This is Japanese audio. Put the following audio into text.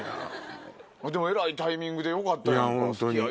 えらいタイミングでよかったやん好きや！